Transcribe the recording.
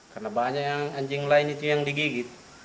karena banyak yang anjing lain itu yang digigit